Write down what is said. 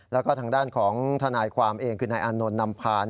แล้วก็ทางด้านของทนายความเองคือนายอานนท์นำพา